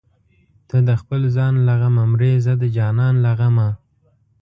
ته د خپل ځان له غمه مرې زه د جانان له غمه